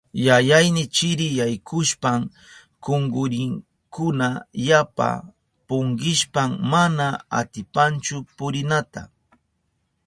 Yayayni chiri yaykushpan kunkurinkuna yapa punkishpan manaña atipanchu purinata.